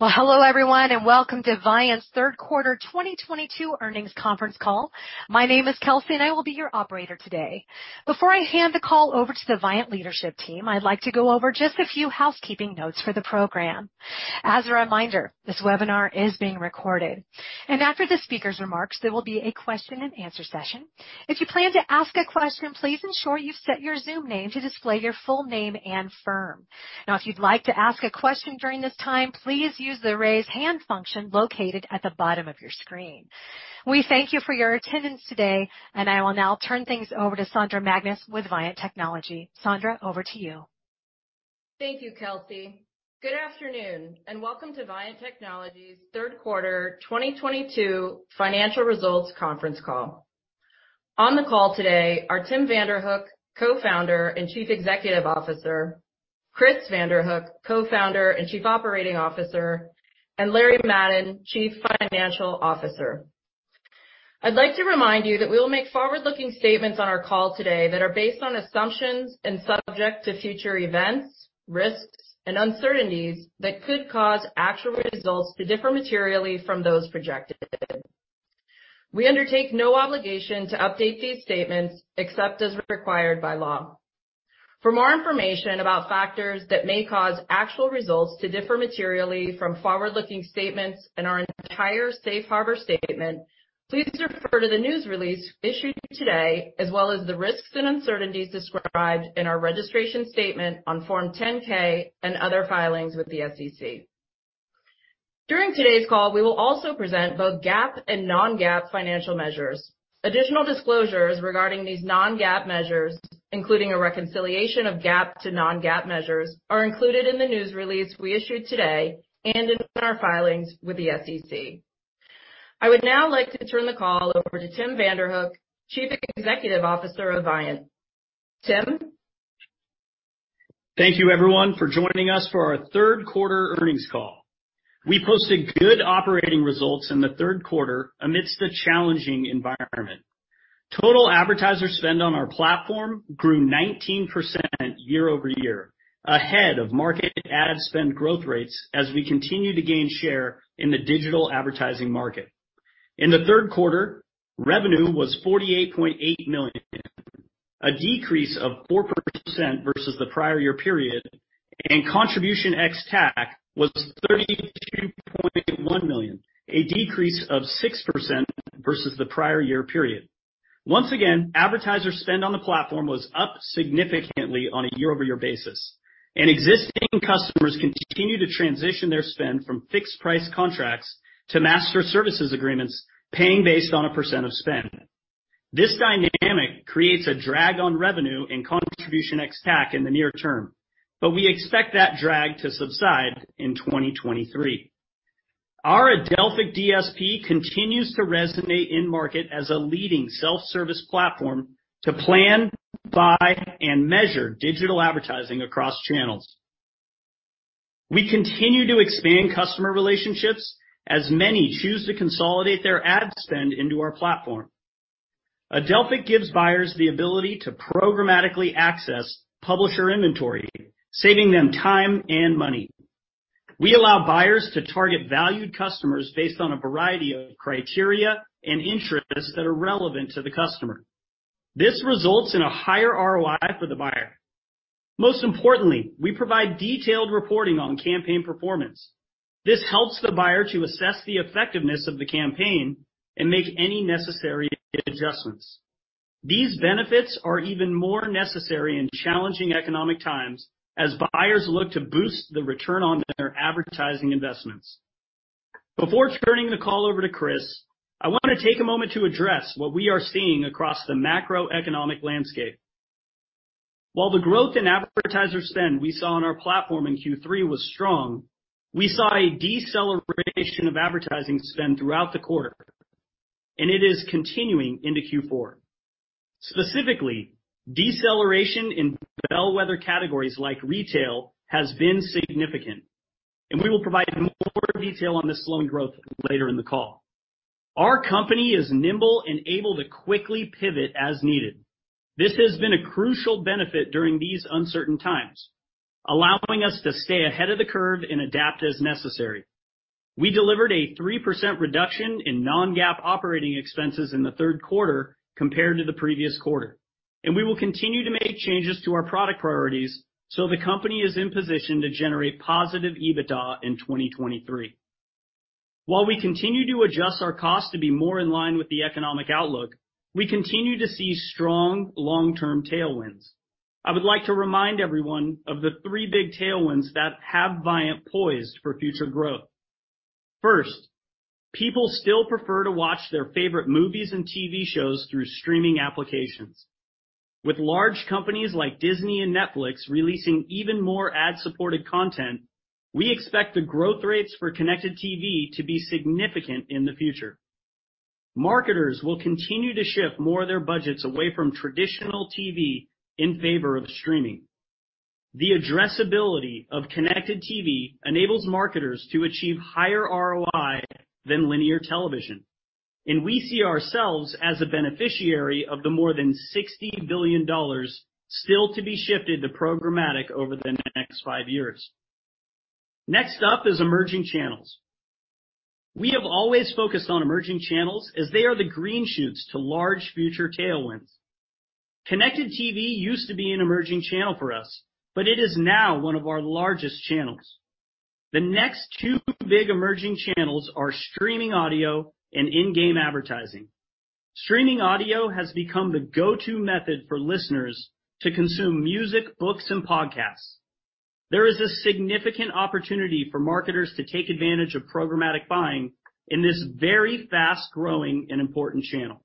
Well, hello, everyone, and welcome to Viant's third quarter 2022 earnings conference call. My name is Kelsey and I will be your operator today. Before I hand the call over to the Viant leadership team, I'd like to go over just a few housekeeping notes for the program. As a reminder, this webinar is being recorded, and after the speaker's remarks, there will be a question-and-answer session. If you plan to ask a question, please ensure you set your Zoom name to display your full name and firm. Now, if you'd like to ask a question during this time, please use the Raise Hand function located at the bottom of your screen. We thank you for your attendance today, and I will now turn things over to Sondra Magness with Viant Technology. Sondra, over to you. Thank you, Kelsey. Good afternoon, and welcome to Viant Technology's third quarter 2022 financial results conference call. On the call today are Tim Vanderhook, co-founder and Chief Executive Officer, Chris Vanderhook, Co-Founder and Chief Operating Officer, and Larry Madden, Chief Financial Officer. I'd like to remind you that we will make forward-looking statements on our call today that are based on assumptions and subject to future events, risks, and uncertainties that could cause actual results to differ materially from those projected. We undertake no obligation to update these statements except as required by law. For more information about factors that may cause actual results to differ materially from forward-looking statements and our entire safe harbor statement, please refer to the news release issued today, as well as the risks and uncertainties described in our registration statement on Form 10-K and other filings with the SEC. During today's call, we will also present both GAAP and non-GAAP financial measures. Additional disclosures regarding these non-GAAP measures, including a reconciliation of GAAP to non-GAAP measures, are included in the news release we issued today and in our filings with the SEC. I would now like to turn the call over to Tim Vanderhook, Chief Executive Officer of Viant. Tim? Thank you, everyone, for joining us for our third quarter earnings call. We posted good operating results in the third quarter amidst the challenging environment. Total advertiser spend on our platform grew 19% year-over-year, ahead of market ad spend growth rates as we continue to gain share in the digital advertising market. In the third quarter, revenue was $48.8 million, a decrease of 4% versus the prior year period, and contribution ex-TAC was $32.1 million, a decrease of 6% versus the prior year period. Once again, advertiser spend on the platform was up significantly on a year-over-year basis, and existing customers continue to transition their spend from fixed price contracts to master services agreements, paying based on a percent of spend. This dynamic creates a drag on revenue and contribution ex-TAC in the near term, but we expect that drag to subside in 2023. Our Adelphic DSP continues to resonate in the market as a leading self-service platform to plan, buy, and measure digital advertising across channels. We continue to expand customer relationships as many choose to consolidate their ad spend into our platform. Adelphic gives buyers the ability to programmatically access publisher inventory, saving them time and money. We allow buyers to target valued customers based on a variety of criteria and interests that are relevant to the customer. This results in a higher ROI for the buyer. Most importantly, we provide detailed reporting on campaign performance. This helps the buyer to assess the effectiveness of the campaign and make any necessary adjustments. These benefits are even more necessary in challenging economic times as buyers look to boost the return on their advertising investments. Before turning the call over to Chris, I want to take a moment to address what we are seeing across the macroeconomic landscape. While the growth in advertising spend we saw on our platform in Q3 was strong, we saw a deceleration of advertising spend throughout the quarter, and it is continuing into Q4. Specifically, deceleration in bellwether categories like retail has been significant, and we will provide more detail on this slowing growth later in the call. Our company is nimble and able to quickly pivot as needed. This has been a crucial benefit during these uncertain times, allowing us to stay ahead of the curve and adapt as necessary. We delivered a 3% reduction in non-GAAP operating expenses in the third quarter compared to the previous quarter, and we will continue to make changes to our product priorities so the company is in position to generate positive EBITDA in 2023. While we continue to adjust our costs to be more in line with the economic outlook, we continue to see strong long-term tailwinds. I would like to remind everyone of the three big tailwinds that have Viant poised for future growth. First, people still prefer to watch their favorite movies and TV shows through streaming applications. With large companies like Disney and Netflix releasing even more ad-supported content, we expect the growth rates for Connected TV to be significant in the future. Marketers will continue to shift more of their budgets away from traditional TV in favor of streaming. The addressability of Connected TV enables marketers to achieve higher ROI than linear television. We see ourselves as a beneficiary of the more than $60 billion still to be shifted to programmatic over the next five years. Next up is emerging channels. We have always focused on emerging channels as they are the green shoots to large future tailwinds. Connected TV used to be an emerging channel for us, but it is now one of our largest channels. The next two big emerging channels are streaming audio and in-game advertising. Streaming audio has become the go-to method for listeners to consume music, books, and podcasts. There is a significant opportunity for marketers to take advantage of programmatic buying in this very fast-growing and important channel.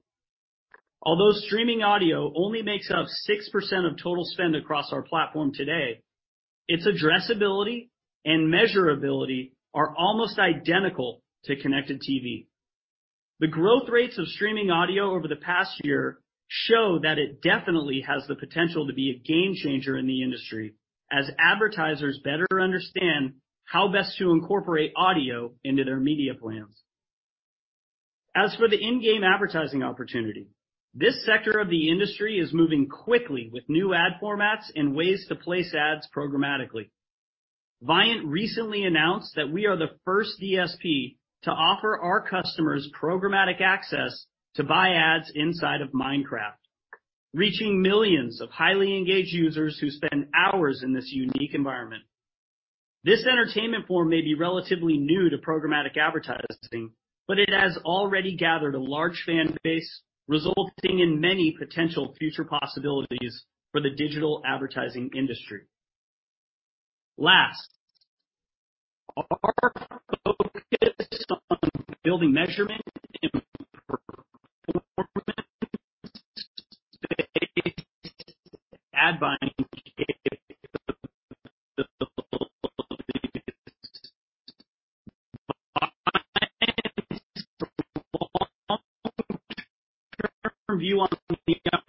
Although streaming audio only makes up 6% of total spend across our platform today, its addressability and measurability are almost identical to Connected TV. The growth rates of streaming audio over the past year show that it definitely has the potential to be a game changer in the industry as advertisers better understand how best to incorporate audio into their media plans. As for the in-game advertising opportunity, this sector of the industry is moving quickly with new ad formats and ways to place ads programmatically. Viant recently announced that we are the first DSP to offer our customers programmatic access to buy ads inside of Minecraft, reaching millions of highly engaged users who spend hours in this unique environment. This entertainment form may be relatively new to programmatic advertising, but it has already gathered a large fan base, resulting in many potential future possibilities for the digital advertising industry. Last, our focus on building measurement and performance-based ad buying capabilities provides for long-term view on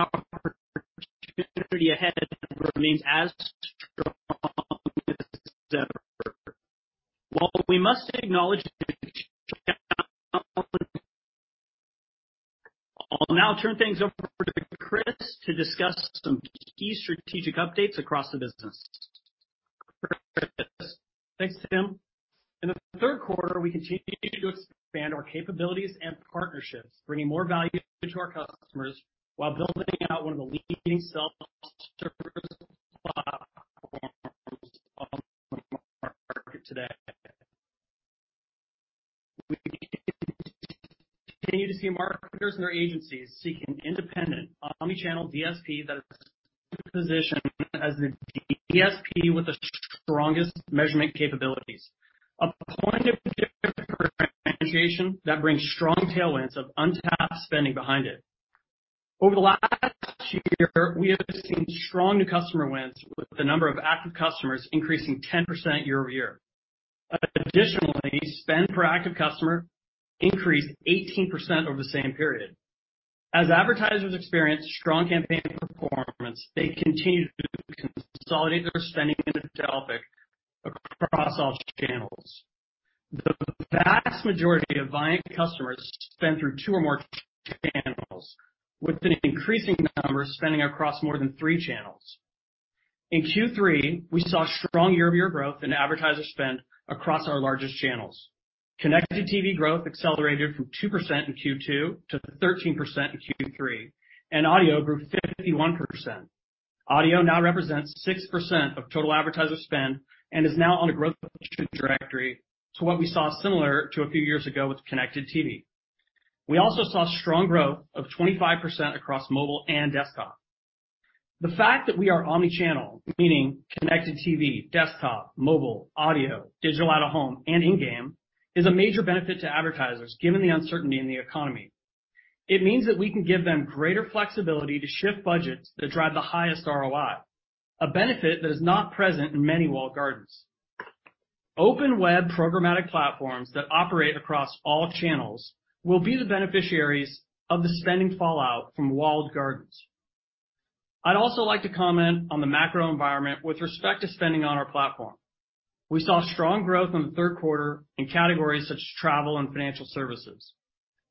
our strategy ahead remains as strong as ever. I'll now turn things over to Chris to discuss some key strategic updates across the business. Chris? Thanks, Tim. In the third quarter, we continued to expand our capabilities and partnerships, bringing more value to our customers while building out one of the leading self-service platforms on the market today. We continue to see marketers and their agencies seeking independent omni-channel DSP that is positioned as the DSP with the strongest measurement capabilities. A point of differentiation that brings strong tailwinds of untapped spending behind it. Over the last year, we have seen strong new customer wins, with the number of active customers increasing 10% year-over-year. Additionally, spend per active customer increased 18% over the same period. As advertisers experience strong campaign performance, they continue to consolidate their spending with Viant across all channels. The vast majority of Viant customers spend through two or more channels, with an increasing number spending across more than three channels. In Q3, we saw strong year-over-year growth in advertiser spend across our largest channels. Connected TV growth accelerated from 2% in Q2 to 13% in Q3, and audio grew 51%. Audio now represents 6% of total advertiser spend and is now on a growth trajectory to what we saw similar to a few years ago with Connected TV. We also saw strong growth of 25% across mobile and desktop. The fact that we are omni-channel, meaning Connected TV, desktop, mobile, audio, digital out-of-home, and in-game, is a major benefit to advertisers given the uncertainty in the economy. It means that we can give them greater flexibility to shift budgets that drive the highest ROI, a benefit that is not present in many walled gardens. Open Web programmatic platforms that operate across all channels will be the beneficiaries of the spending fallout from walled gardens. I'd also like to comment on the macro environment with respect to spending on our platform. We saw strong growth in the third quarter in categories such as travel and financial services.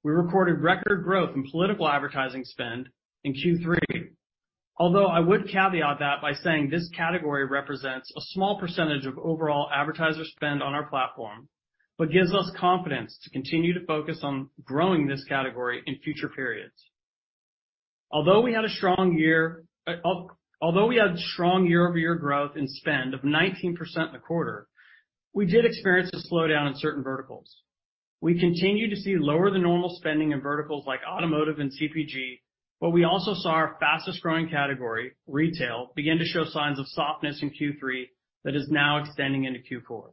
We recorded record growth in political advertising spend in Q3, although I would caveat that by saying this category represents a small percentage of overall advertiser spend on our platform, but gives us confidence to continue to focus on growing this category in future periods. Although we had strong year-over-year growth in spend of 19% in the quarter, we did experience a slowdown in certain verticals. We continue to see lower than normal spending in verticals like automotive and CPG, but we also saw our fastest-growing category, retail, begin to show signs of softness in Q3 that is now extending into Q4.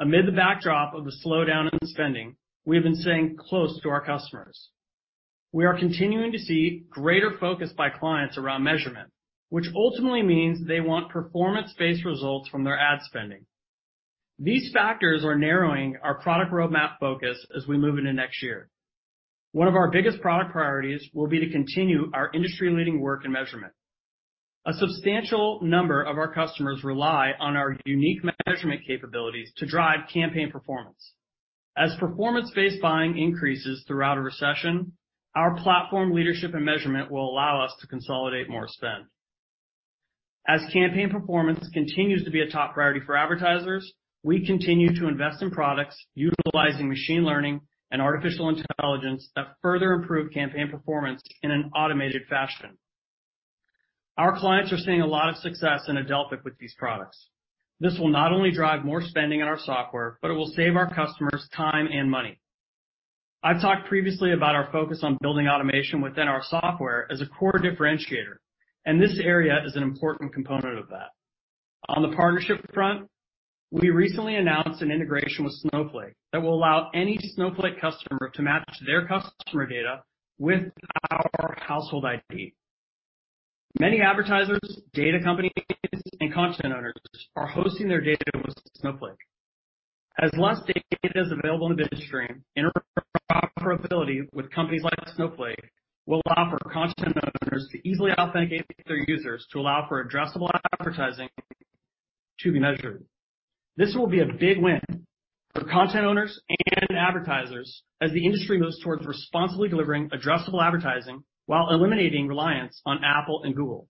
Amid the backdrop of the slowdown in spending, we have been staying close to our customers. We are continuing to see greater focus by clients around measurement, which ultimately means they want performance-based results from their ad spending. These factors are narrowing our product roadmap focus as we move into next year. One of our biggest product priorities will be to continue our industry-leading work in measurement. A substantial number of our customers rely on our unique measurement capabilities to drive campaign performance. As performance-based buying increases throughout a recession, our platform leadership and measurement will allow us to consolidate more spend. As campaign performance continues to be a top priority for advertisers, we continue to invest in products utilizing machine learning and artificial intelligence that further improve campaign performance in an automated fashion. Our clients are seeing a lot of success in Adelphic with these products. This will not only drive more spending on our software, but it will save our customers time and money. I've talked previously about our focus on building automation within our software as a core differentiator, and this area is an important component of that. On the partnership front, we recently announced an integration with Snowflake that will allow any Snowflake customer to match their customer data with our Household ID. Many advertisers, data companies, and content owners are hosting their data with Snowflake. As less data is available in the industry, interoperability with companies like Snowflake will allow for content owners to easily authenticate their users to allow for addressable advertising to be measured. This will be a big win for content owners and advertisers as the industry moves towards responsibly delivering addressable advertising while eliminating reliance on Apple and Google.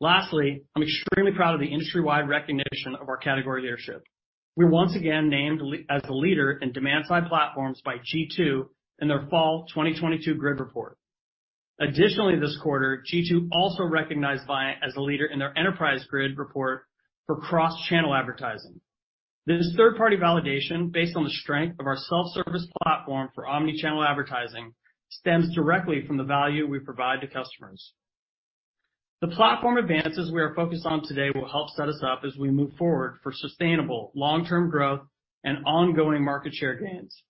Lastly, I'm extremely proud of the industry-wide recognition of our category leadership. We're once again named as the leader in demand side platforms by G2 in their fall 2022 grid report. Additionally, this quarter, G2 also recognized Viant as a leader in their enterprise grid report for cross-channel advertising. This third-party validation based on the strength of our self-service platform for omnichannel advertising stems directly from the value we provide to customers. The platform advances we are focused on today will help set us up as we move forward for sustainable long-term growth and ongoing market share gains.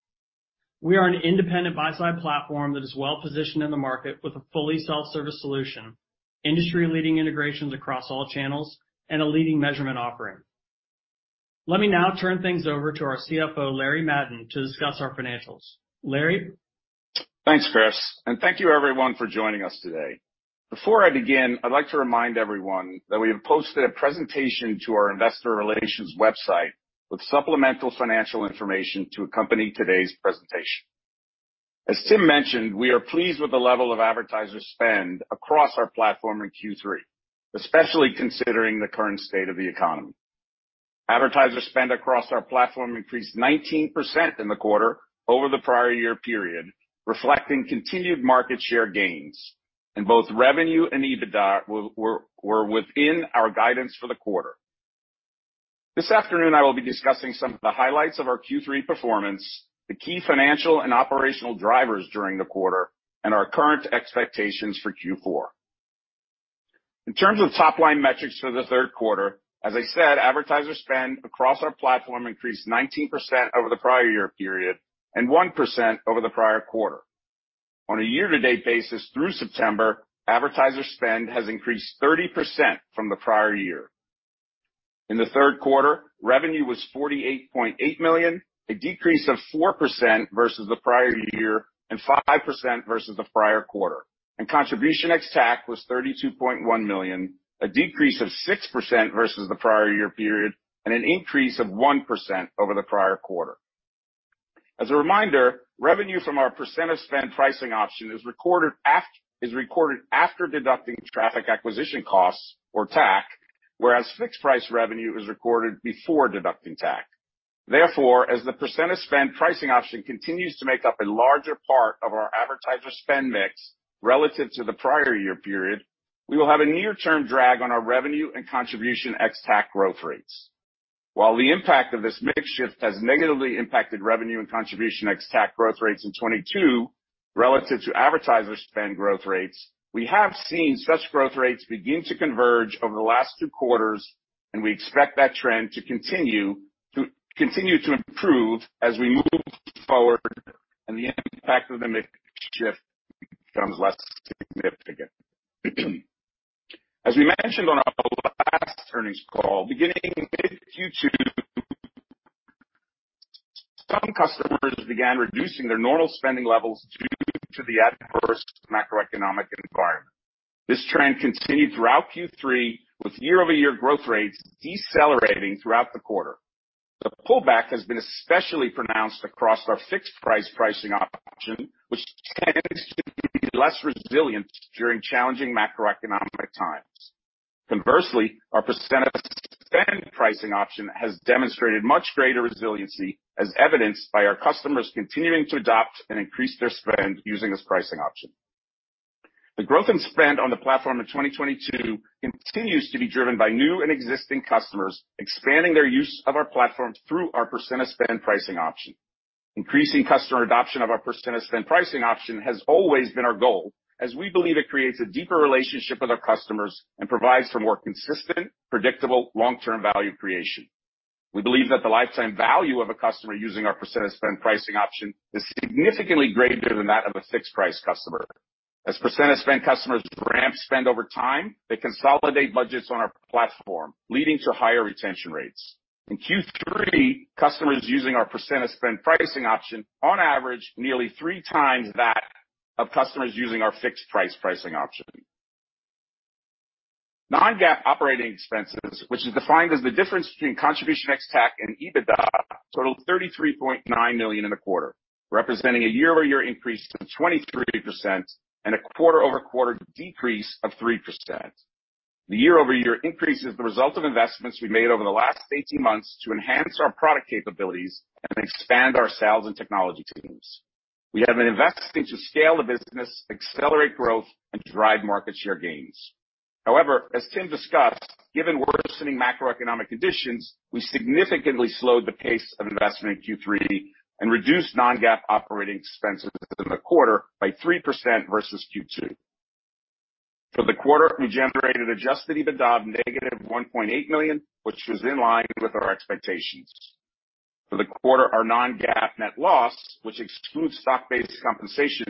We are an independent buy-side platform that is well-positioned in the market with a fully self-service solution, industry-leading integrations across all channels, and a leading measurement offering. Let me now turn things over to our CFO, Larry Madden, to discuss our financials. Larry? Thanks, Chris, and thank you everyone for joining us today. Before I begin, I'd like to remind everyone that we have posted a presentation to our investor relations website with supplemental financial information to accompany today's presentation. As Tim mentioned, we are pleased with the level of advertiser spend across our platform in Q3, especially considering the current state of the economy. Advertiser spend across our platform increased 19% in the quarter over the prior year period, reflecting continued market share gains. Both revenue and EBITDA were within our guidance for the quarter. This afternoon, I will be discussing some of the highlights of our Q3 performance, the key financial and operational drivers during the quarter, and our current expectations for Q4. In terms of top-line metrics for the third quarter, as I said, advertiser spend across our platform increased 19% over the prior year period and 1% over the prior quarter. On a year-to-date basis through September, advertiser spend has increased 30% from the prior year. In the third quarter, revenue was $48.8 million, a decrease of 4% versus the prior year and 5% versus the prior quarter. Contribution ex-TAC was $32.1 million, a decrease of 6% versus the prior year period and an increase of 1% over the prior quarter. As a reminder, revenue from our percent-of-spend pricing option is recorded after deducting traffic acquisition costs or TAC, whereas fixed price revenue is recorded before deducting TAC. Therefore, as the percentage of spend pricing option continues to make up a larger part of our advertiser spend mix relative to the prior year period, we will have a near-term drag on our revenue and contribution ex-TAC growth rates. While the impact of this mix shift has negatively impacted revenue and contribution ex-TAC growth rates in 2022 relative to advertiser spend growth rates, we have seen such growth rates begin to converge over the last two quarters, and we expect that trend to continue to improve as we move forward and the impact of the mix shift becomes less significant. As we mentioned on our last earnings call, beginning mid Q2, some customers began reducing their normal spending levels due to the adverse macroeconomic environment. This trend continued throughout Q3 with year-over-year growth rates decelerating throughout the quarter. The pullback has been especially pronounced across our fixed price pricing option, which tends to be less resilient during challenging macroeconomic times. Conversely, our percent-of-spend pricing option has demonstrated much greater resiliency as evidenced by our customers continuing to adopt and increase their spend using this pricing option. The growth in spend on the platform in 2022 continues to be driven by new and existing customers expanding their use of our platform through our percent-of-spend pricing option. Increasing customer adoption of our percent-of-spend pricing option has always been our goal as we believe it creates a deeper relationship with our customers and provides for more consistent, predictable, long-term value creation. We believe that the lifetime value of a customer using our percent-of-spend pricing option is significantly greater than that of a fixed price customer. As percent-of-spend customers ramp spend over time, they consolidate budgets on our platform, leading to higher retention rates. In Q3, customers using our percent-of-spend pricing option on average nearly 3x that of customers using our fixed price pricing option. non-GAAP operating expenses, which is defined as the difference between contribution ex-TAC and EBITDA, totaled $33.9 million in the quarter, representing a year-over-year increase of 23% and a quarter-over-quarter decrease of 3%. The year-over-year increase is the result of investments we made over the last 18 months to enhance our product capabilities and expand our sales and technology teams. We have been investing to scale the business, accelerate growth and drive market share gains. However, as Tim discussed, given worsening macroeconomic conditions, we significantly slowed the pace of investment in Q3 and reduced non-GAAP operating expenses in the quarter by 3% versus Q2. For the quarter, we generated adjusted EBITDA of -$1.8 million, which was in line with our expectations. For the quarter, our non-GAAP net loss, which excludes stock-based compensation,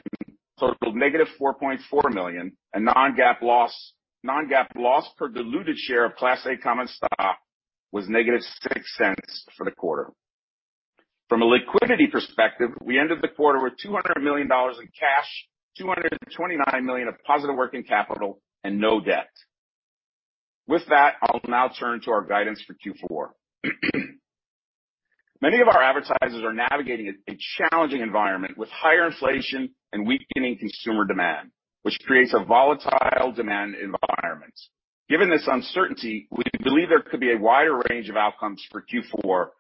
totaled -$4.4 million and non-GAAP loss per diluted share of Class A common stock was -$0.06 for the quarter. From a liquidity perspective, we ended the quarter with $200 million in cash, $229 million of positive working capital and no debt. With that, I'll now turn to our guidance for Q4. Many of our advertisers are navigating a challenging environment with higher inflation and weakening consumer demand, which creates a volatile demand environment. Given this uncertainty, we believe there could be a wider range of outcomes for Q4,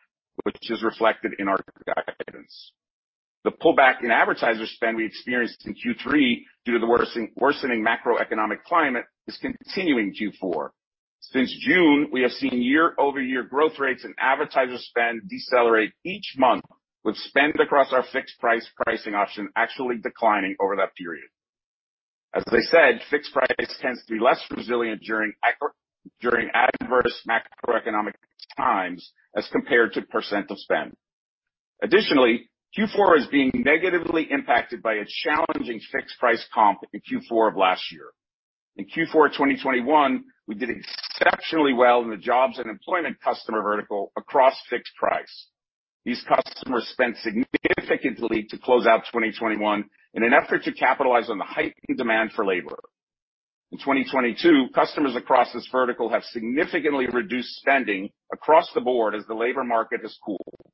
which is reflected in our guidance. The pullback in advertiser spend we experienced in Q3 due to the worsening macroeconomic climate is continuing in Q4. Since June, we have seen year-over-year growth rates in advertiser spend decelerate each month, with spend across our fixed price pricing option actually declining over that period. As I said, fixed price tends to be less resilient during adverse macroeconomic times as compared to percent of spend. Additionally, Q4 is being negatively impacted by a challenging fixed price comp in Q4 of last year. In Q4 of 2021, we did exceptionally well in the jobs and employment customer vertical across fixed price. These customers spent significantly to close out 2021 in an effort to capitalize on the heightened demand for labor. In 2022, customers across this vertical have significantly reduced spending across the board as the labor market has cooled,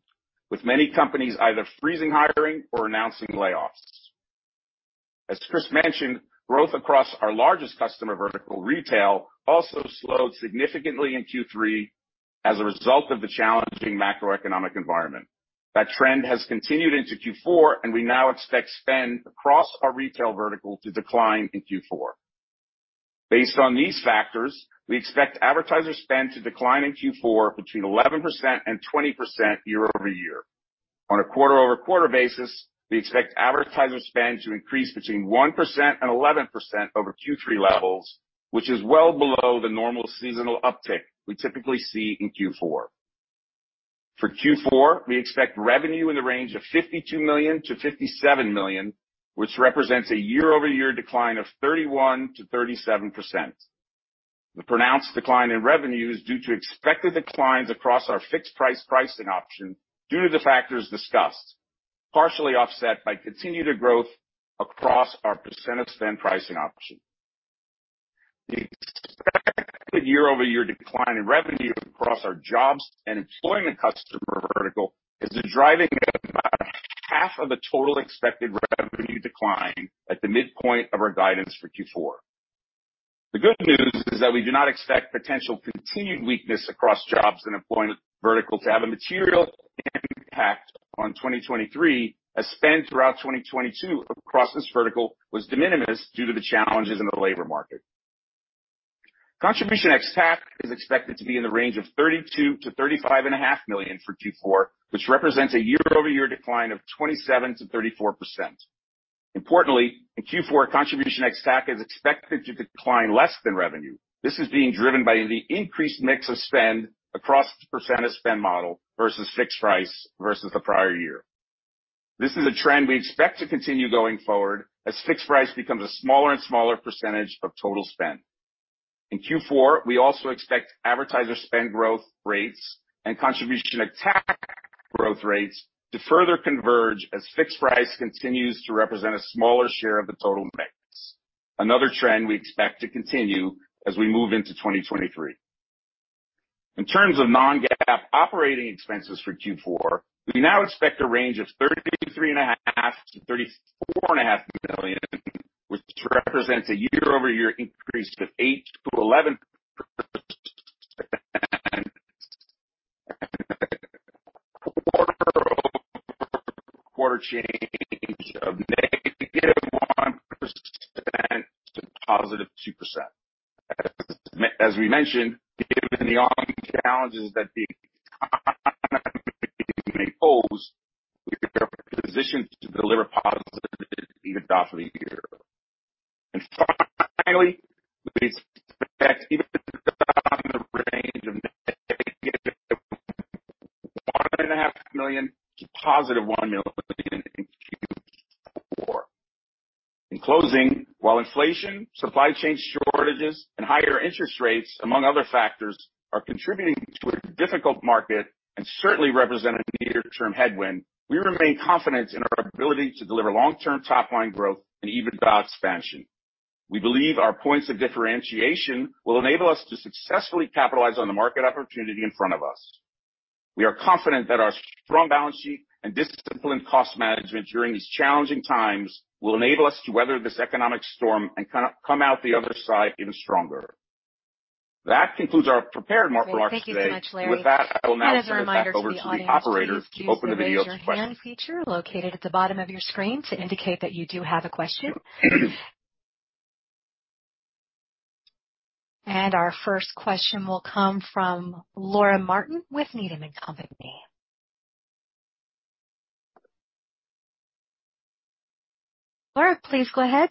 with many companies either freezing hiring or announcing layoffs. As Chris mentioned, growth across our largest customer vertical, retail, also slowed significantly in Q3 as a result of the challenging macroeconomic environment. That trend has continued into Q4, and we now expect spend across our retail vertical to decline in Q4. Based on these factors, we expect advertiser spend to decline in Q4 between 11% and 20% year-over-year. On a quarter-over-quarter basis, we expect advertiser spend to increase between 1% and 11% over Q3 levels, which is well below the normal seasonal uptick we typically see in Q4. For Q4, we expect revenue in the range of $52 million-$57 million, which represents a year-over-year decline of 31%-37%. The pronounced decline in revenue is due to expected declines across our fixed price pricing option due to the factors discussed, partially offset by continued growth across our percent of spend pricing option. The expected year-over-year decline in revenue across our jobs and employment customer vertical is driving about half of the total expected revenue decline at the midpoint of our guidance for Q4. The good news is that we do not expect potential continued weakness across jobs and employment vertical to have a material impact on 2023, as spend throughout 2022 across this vertical was de minimis due to the challenges in the labor market. Contribution ex-TAC is expected to be in the range of $32 million to $35.5 million for Q4, which represents a year-over-year decline of 27%-34%. Importantly, in Q4, Contribution ex-TAC is expected to decline less than revenue. This is being driven by the increased mix of spend across the percent of spend model versus fixed price versus the prior year. This is a trend we expect to continue going forward as fixed price becomes a smaller and smaller percentage of total spend. In Q4, we also expect advertiser spend growth rates and contribution ex-TAC growth rates to further converge as fixed price continues to represent a smaller share of the total mix. Another trend we expect to continue as we move into 2023. In terms of non-GAAP operating expenses for Q4, we now expect a range of $33.5 million-$34.5 million, which represents a year-over-year increase of 8%-11%, and a quarter-over-quarter change of -1% to +2%. As we mentioned, given the ongoing challenges that the economy may pose, we are positioned to deliver positive EBITDA for the year. Finally, we expect EBITDA in the range of -$1.5 million to $1 million in Q4. In closing, while inflation, supply chain shortages, and higher interest rates, among other factors, are contributing to a difficult market and certainly represent a near-term headwind, we remain confident in our ability to deliver long-term top line growth and EBITDA expansion. We believe our points of differentiation will enable us to successfully capitalize on the market opportunity in front of us. We are confident that our strong balance sheet and disciplined cost management during these challenging times will enable us to weather this economic storm and come out the other side even stronger. That concludes our prepared remarks today. Great. Thank you so much, Larry. With that, I will now turn it back over to the operator to open the video for questions. Please use the Raise Your Hand feature located at the bottom of your screen to indicate that you do have a question. Our first question will come from Laura Martin with Needham & Company. Laura, please go ahead.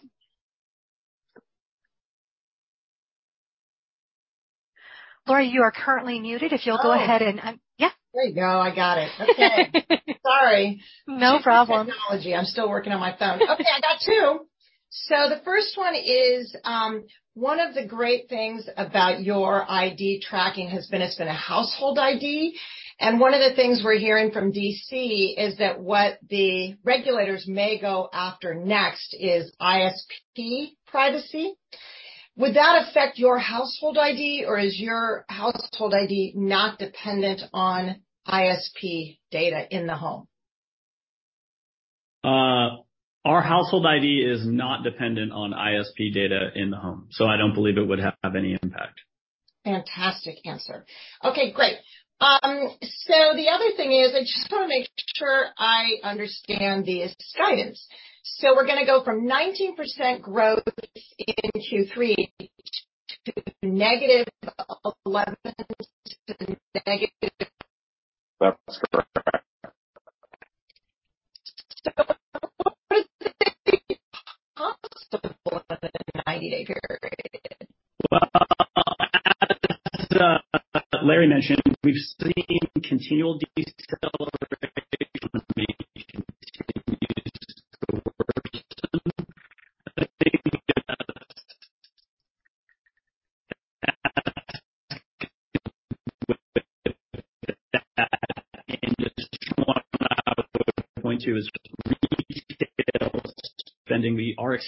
Laura, you are currently muted. If you'll go ahead and Oh. Yeah. There you go. I got it. Okay. Sorry. No problem. Technology. I'm still working on my phone. Okay, I got two. The first one is, one of the great things about your ID tracking has been a Household ID. One of the things we're hearing from D.C. is that what the regulators may go after next is ISP privacy. Would that affect your Household ID or is your Household ID not dependent on ISP data in the home? Our Household ID is not dependent on ISP data in the home, so I don't believe it would have any impact. Fantastic answer. Okay, great. The other thing is, I just wanna make sure I understand the guidance. We're gonna go from 19% growth in Q3 to negative eleven to negative. That's correct. What was the cause for the 90 day period? Well, as Larry mentioned, we've seen continual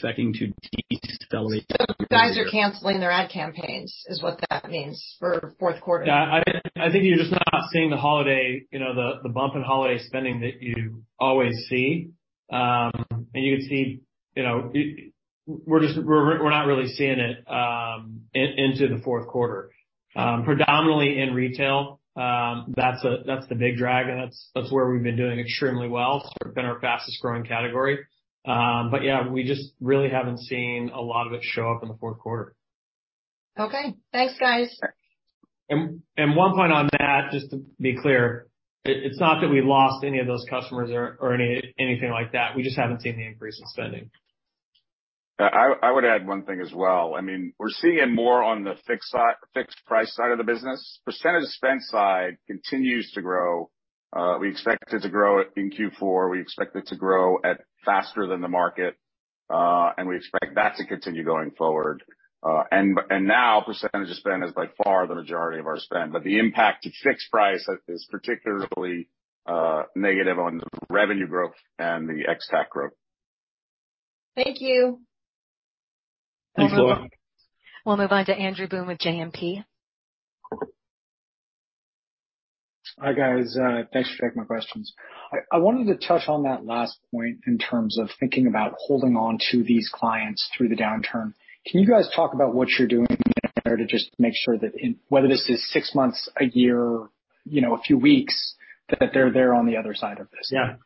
deceleration continue to worsen. I think that retail spending, we are expecting to decelerate. You guys are canceling their ad campaigns, is what that means for fourth quarter? Yeah. I think you're just not seeing the holiday, you know, the bump in holiday spending that you always see. You can see, you know, it. We're just not really seeing it into the fourth quarter. Predominantly in retail, that's the big drag, and that's where we've been doing extremely well. Sort of been our fastest growing category. Yeah, we just really haven't seen a lot of it show up in the fourth quarter. Okay. Thanks, guys. One point on that, just to be clear, it's not that we lost any of those customers or anything like that. We just haven't seen the increase in spending. I would add one thing as well. I mean, we're seeing it more on the fixed price side of the business. Percentage of spend side continues to grow. We expect it to grow in Q4. We expect it to grow at faster than the market, and we expect that to continue going forward. Now, percentage of spend is by far the majority of our spend, but the impact to fixed price is particularly negative on the revenue growth and the ex-TAC growth. Thank you. Thanks, Laura. We'll move on to Andrew Boone with JMP. Hi, guys. Thanks for taking my questions. I wanted to touch on that last point in terms of thinking about holding on to these clients through the downturn. Can you guys talk about what you're doing there to just make sure that whether this is six months, a year, you know, a few weeks, that they're there on the other side of this? Yeah.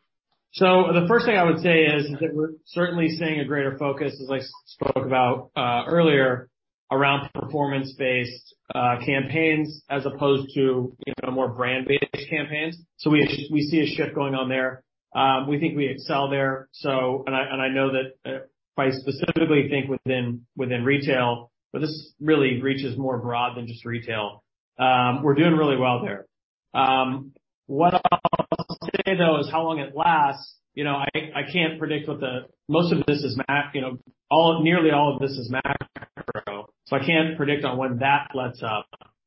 The first thing I would say is that we're certainly seeing a greater focus, as I spoke about earlier, around performance-based campaigns as opposed to, you know, more brand-based campaigns. We see a shift going on there. We think we excel there. And I know that if I specifically think within retail, but this really reaches more broadly than just retail. We're doing really well there. What I'll say, though, is how long it lasts. You know, I can't predict. Most of this is, you know, nearly all of this is macro, so I can't predict when that lets up.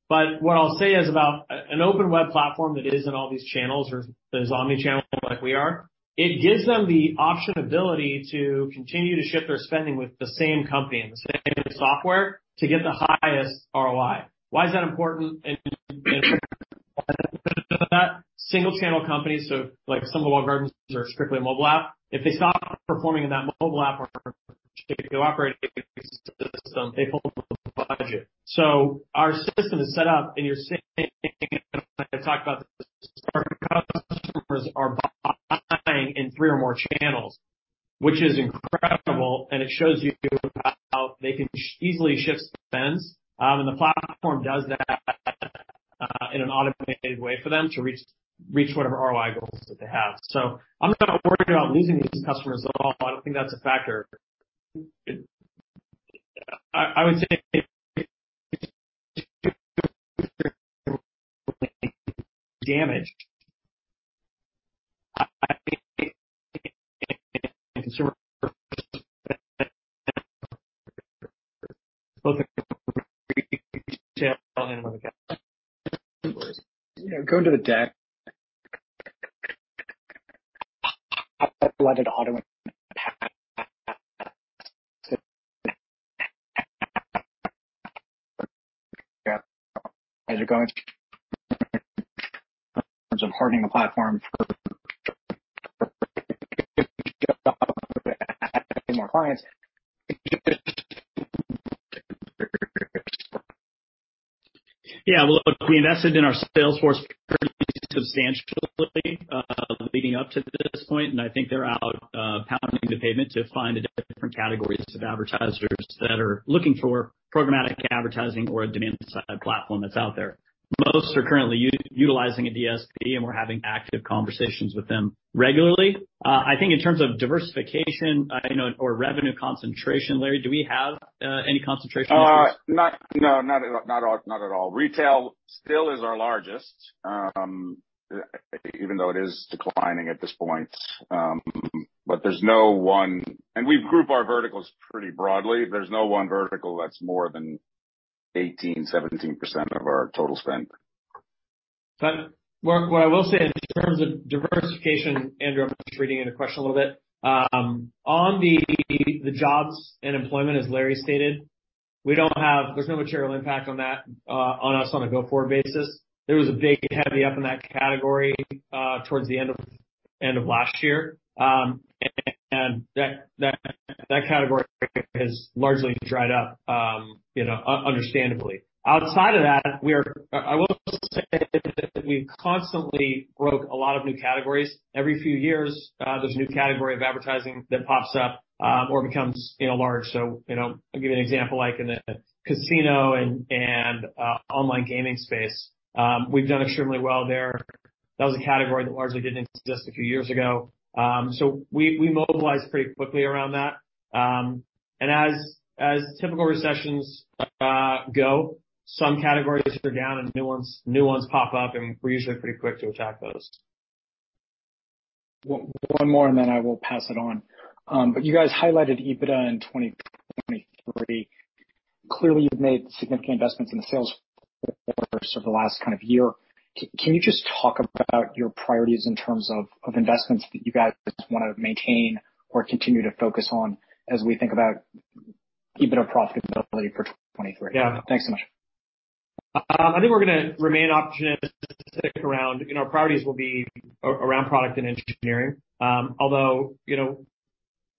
What I'll say is about an open web platform that is in all these channels or is omnichannel like we are. It gives them the optionality to continue to shift their spending with the same company and the same software to get the highest ROI. Why is that important? Single channel companies, so like some of the walled gardens are strictly mobile app. If they stop performing in that mobile app or particular operating system, they pull the budget. Our system is set up, and you're seeing it when I talk about the customers are buying in three or more channels, which is incredible, and it shows you how they can easily shift spends. The platform does that in an automated way for them to reach whatever ROI goals that they have. I'm not worried about losing these customers at all. I don't think that's a factor. I would say demand in consumer. Yeah. Go to the deck. Yeah. How's it going? In terms of hardening the platform more clients. Yeah. Well, look, we invested in our sales force substantially, leading up to this point, and I think they're out, pounding the pavement to find the different categories of advertisers that are looking for programmatic advertising or a demand-side platform that's out there. Most are currently utilizing a DSP, and we're having active conversations with them regularly. I think in terms of diversification, I know or revenue concentration, Larry, do we have any concentration? No, not at all. Retail still is our largest, even though it is declining at this point. We group our verticals pretty broadly. There's no one vertical that's more than 17% of our total spend. What I will say is in terms of diversification, Andrew. I'm just reading in a question a little bit. On the jobs and employment, as Larry stated, there's no material impact on that on us on a go-forward basis. There was a big heavy up in that category towards the end of last year. That category has largely dried up, you know, understandably. Outside of that, I will say that we've constantly broke a lot of new categories. Every few years, there's a new category of advertising that pops up or becomes, you know, large. You know, I'll give you an example, like in the casino and online gaming space. We've done extremely well there. That was a category that largely didn't exist a few years ago. We mobilized pretty quickly around that. As typical recessions go, some categories are down and new ones pop up, and we're usually pretty quick to attack those. One more, and then I will pass it on. You guys highlighted EBITDA in 2023. Clearly, you've made significant investments in the sales force over the last kind of year. Can you just talk about your priorities in terms of investments that you guys wanna maintain or continue to focus on as we think about EBITDA profitability for 2023? Yeah. Thanks so much. I think we're gonna remain opportunistic around, you know, our priorities will be around product and engineering. Although, you know,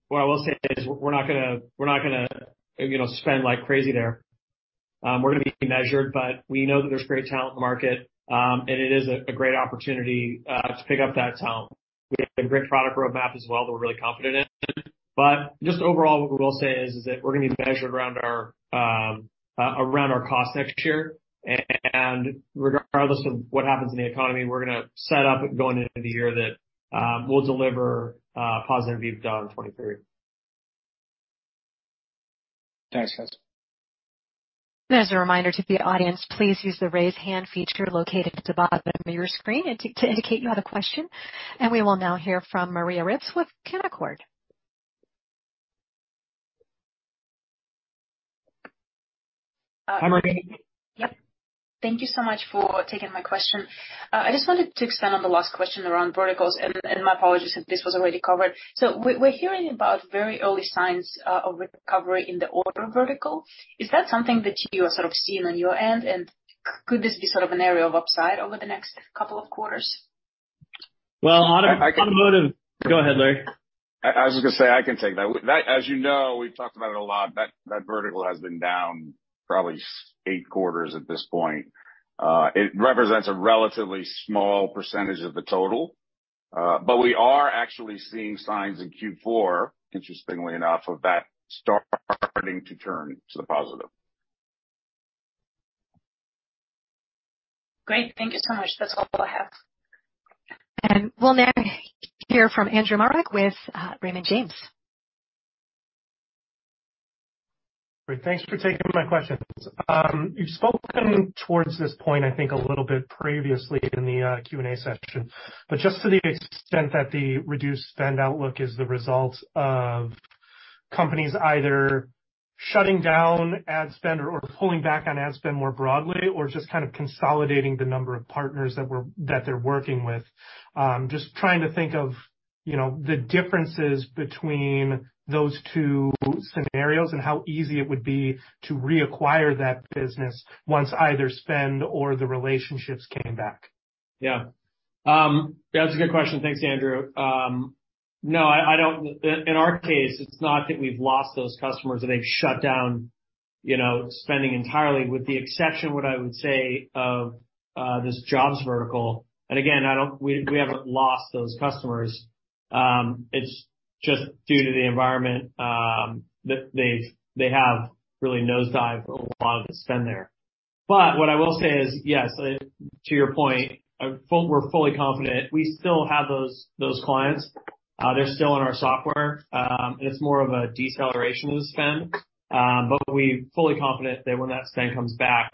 what I will say is we're not gonna spend like crazy there. We're gonna be measured, but we know that there's great talent in the market, and it is a great opportunity to pick up that talent. We have a great product roadmap as well that we're really confident in. Just overall, what we will say is that we're gonna be measured around our cost next year. Regardless of what happens in the economy, we're gonna set up going into the year that we'll deliver positive EBITDA in 2023. Thanks, guys. As a reminder to the audience, please use the Raise Hand feature located at the bottom of your screen to indicate you have a question. We will now hear from Maria Ripps with Canaccord Genuity. Hi, Maria. Yep. Thank you so much for taking my question. I just wanted to extend on the last question around verticals, and my apologies if this was already covered. We're hearing about very early signs of recovery in the auto vertical. Is that something that you are sort of seeing on your end, and could this be sort of an area of upside over the next couple of quarters? Well, on automotive. I can Go ahead, Larry. I was gonna say, I can take that. That as you know, we've talked about it a lot, that vertical has been down probably eight quarters at this point. It represents a relatively small percentage of the total. But we are actually seeing signs in Q4, interestingly enough, of that starting to turn to the positive. Great. Thank you so much. That's all I have. We'll now hear from Andrew Marok with Raymond James. Great. Thanks for taking my questions. You've spoken towards this point, I think, a little bit previously in the Q&A session, but just to the extent that the reduced spend outlook is the result of companies either shutting down ad spend or pulling back on ad spend more broadly or just kind of consolidating the number of partners that they're working with. Just trying to think of, you know, the differences between those two scenarios and how easy it would be to reacquire that business once either spend or the relationships came back. Yeah. That's a good question. Thanks, Andrew. No, I don't. In our case, it's not that we've lost those customers or they've shut down, you know, spending entirely with the exception what I would say of this jobs vertical. Again, I don't. We haven't lost those customers. It's just due to the environment that they have really nosedived a lot of the spend there. What I will say is, yes, to your point, we're fully confident we still have those clients. They're still in our software. And it's more of a deceleration of spend, but we're fully confident that when that spend comes back,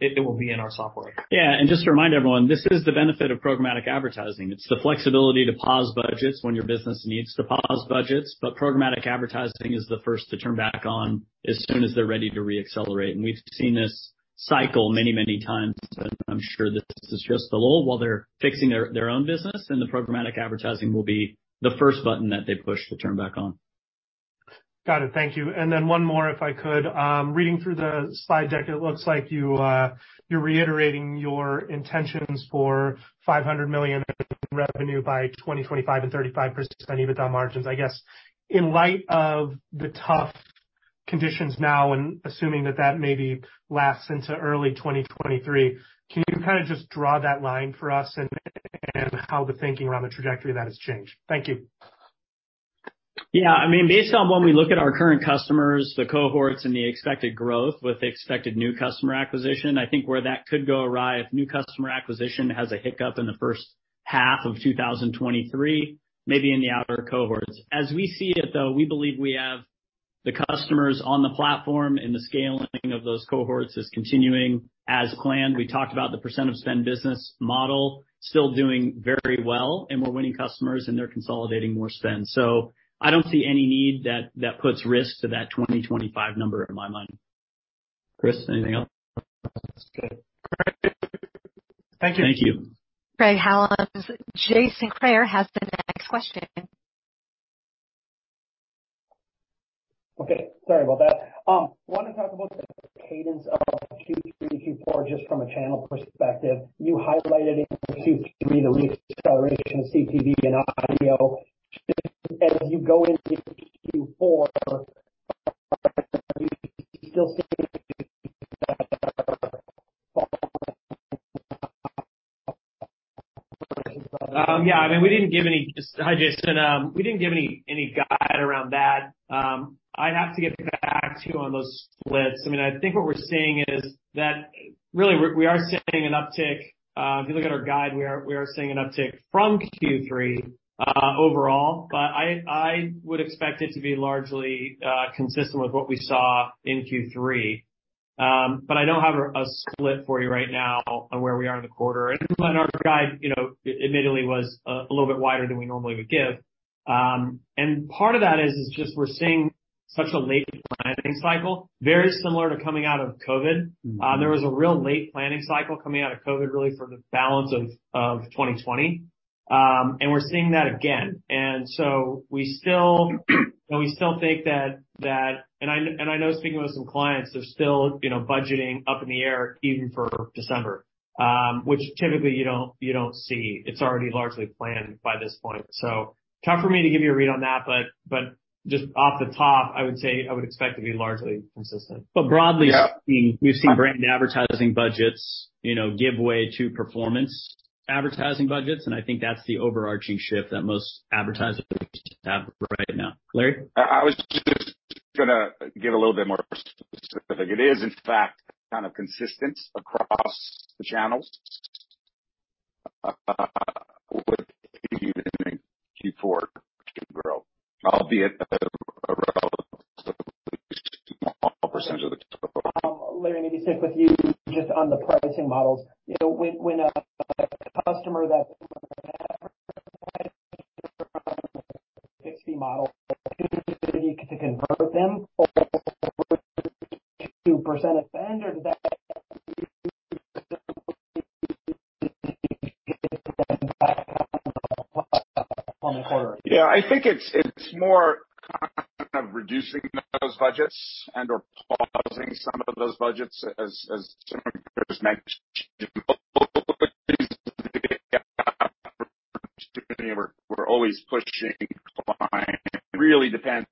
it will be in our software. Yeah. Just to remind everyone, this is the benefit of programmatic advertising. It's the flexibility to pause budgets when your business needs to pause budgets, but programmatic advertising is the first to turn back on as soon as they're ready to reaccelerate. We've seen this cycle many, many times, and I'm sure this is just a lull while they're fixing their own business, and the programmatic advertising will be the first button that they push to turn back on. Got it. Thank you. One more, if I could. Reading through the slide deck, it looks like you're reiterating your intentions for $500 million in revenue by 2025 and 35% EBITDA margins. I guess in light of the tough conditions now, and assuming that maybe lasts into early 2023, can you kind of just draw that line for us and how the thinking around the trajectory of that has changed? Thank you. Yeah. I mean, based on when we look at our current customers, the cohorts and the expected growth with expected new customer acquisition, I think where that could go awry if new customer acquisition has a hiccup in the first half of 2023, maybe in the outer cohorts. As we see it, though, we believe we have the customers on the platform, and the scaling of those cohorts is continuing as planned. We talked about the percent of spend business model still doing very well, and we're winning customers, and they're consolidating more spend. I don't see any need that puts risk to that 2025 number in my mind. Chris, anything else? That's good. All right. Thank you. Thank you. Great. How about Jason Kreyer has the next question. Okay. Sorry about that. Wanna talk about the cadence of Q3 to Q4 just from a channel perspective. You highlighted in Q3 the re-acceleration of CTV and audio. As you go into Q4, are you still seeing? Yeah. I mean, we didn't give any guide around that. Hi, Jason. I'd have to get back to you on those splits. I mean, I think what we're seeing is that really we are seeing an uptick. If you look at our guide, we are seeing an uptick from Q3 overall, but I would expect it to be largely consistent with what we saw in Q3. I don't have a split for you right now on where we are in the quarter. Our guide, you know, admittedly was a little bit wider than we normally would give. Part of that is just we're seeing such a late planning cycle, very similar to coming out of COVID. There was a real late planning cycle coming out of COVID, really for the balance of 2020. We're seeing that again. We still think that. I know speaking with some clients, they're still, you know, budgeting up in the air even for December, which typically you don't see. It's already largely planned by this point. Tough for me to give you a read on that, but just off the top, I would say I would expect it to be largely consistent. Broadly, we've seen brand advertising budgets, you know, give way to performance advertising budgets, and I think that's the overarching shift that most advertisers have right now. Larry? I was just gonna get a little bit more specific. It is in fact kind of consistent across the channels with Q4 growth, albeit a relatively small percentage of the total. Larry, maybe stick with you just on the pricing models. You know, when a customer that 60 model to convert them or 2% spend or is that on the quarter? Yeah. I think it's more kind of reducing those budgets and/or pausing some of those budgets as some mention. We're always pushing clients. It really depends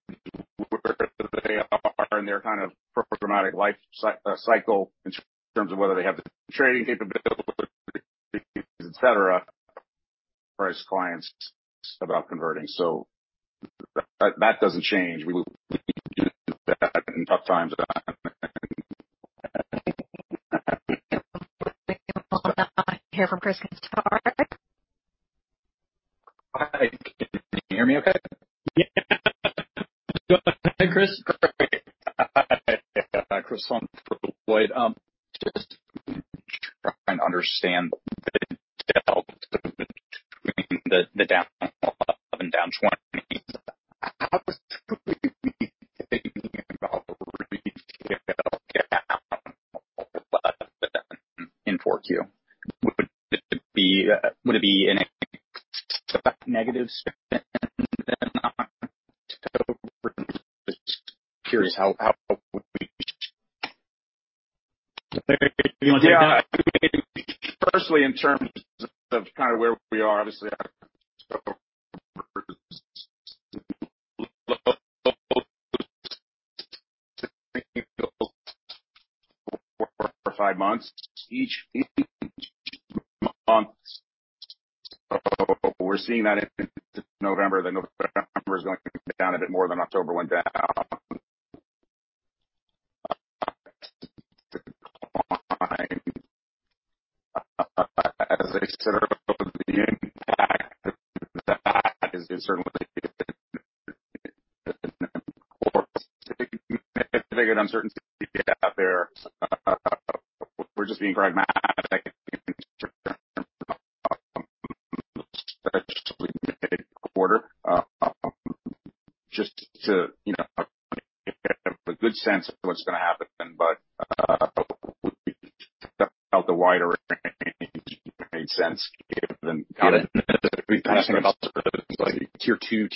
where they are in their kind of programmatic life cycle in terms of whether they have the trading capabilities, et cetera, advise clients about converting. That doesn't change. We will keep doing that in tough times. Hear from Chris I mean, firstly, in terms of kind of where we are, obviously over five months, each month. We're seeing that in November, then November is going down a bit more than October went down. As I said, the impact of that is certainly an uncertainty out there. We're just being pragmatic in terms of the quarter, just to, you know, have a good sense of what's gonna happen. But And the wider made sense. Kind of tier two,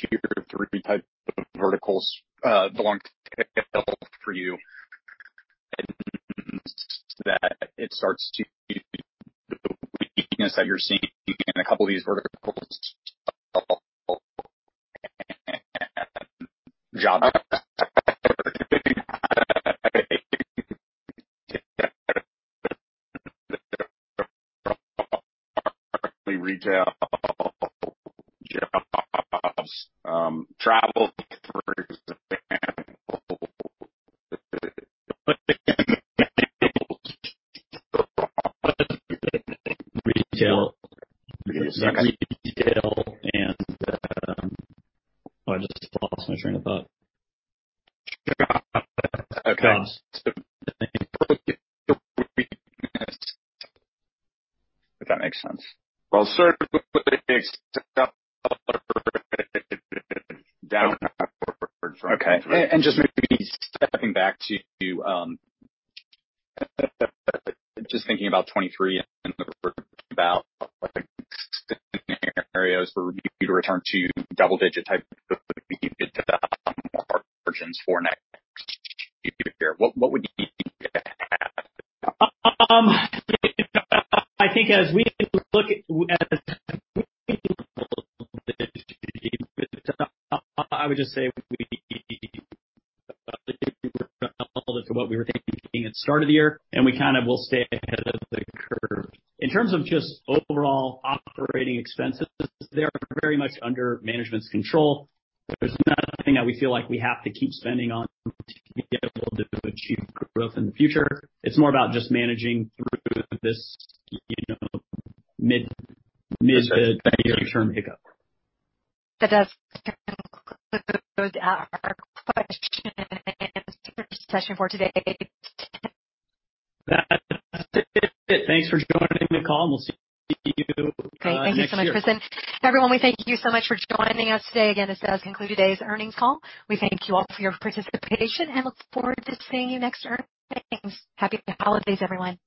tier three type of verticals, the long tail for you that you're seeing in a couple of these verticals: retail, jobs, travel. Retail. Yes. Oh, I just lost my train of thought. If that makes sense. Well, certainly. Just maybe stepping back to just thinking about 2023 about like scenarios for you to return to double-digit type margins for next year. What would you I think as we look at, I would just say what we were thinking at the start of the year, and we kind of will stay ahead of the curve. In terms of just overall operating expenses, they are very much under management's control. There's not a thing that we feel like we have to keep spending on to be able to achieve growth in the future. It's more about just managing through this, you know, mid- to near-term hiccup. That does conclude our question session for today. That's it. Thanks for joining the call. We'll see you next year. Great. Thank you so much, Chris Vanderhook. Everyone, we thank you so much for joining us today. Again, this does conclude today's earnings call. We thank you all for your participation and look forward to seeing you next earnings. Happy holidays, everyone.